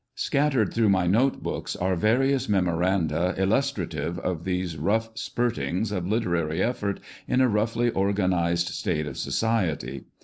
Scattered through my note books are various memoranda illus trative of these rough " spurtings" of literary effort in a roughly organised state of society.